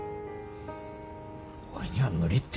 おいには無理って